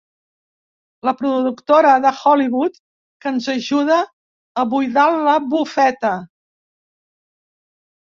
La productora de Hollywood que ens ajuda a buidar la bufeta.